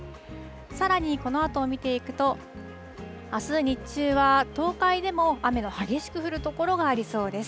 さらに、このあとを見ていくと、あすの日中は東海でも雨の激しく降る所がありそうです。